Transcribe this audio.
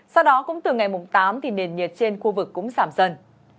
sau đó cũng từ ngày tám thì nền nhiệt trên khu vực cũng giảm dần